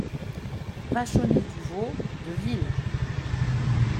Vachonnet Du Vau … deville !